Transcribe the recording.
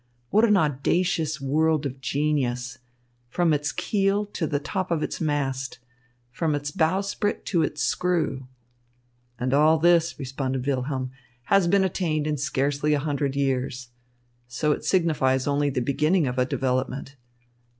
What an audacious world of genius, from its keel to the top of its mast, from its bowsprit to its screw!" "And all this," responded Wilhelm, "has been attained in scarcely a hundred years. So it signifies only the beginning of a development.